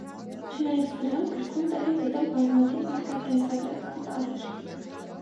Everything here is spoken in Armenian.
Չնայած դրան՝ գրքում տեղ են գտել բազմաթիվ ինքնակենսագրական տարրեր։